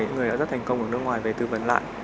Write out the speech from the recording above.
những người đã rất thành công ở nước ngoài về tư vấn lại